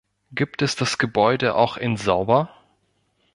Gibt es das Gebäude auch in sauber?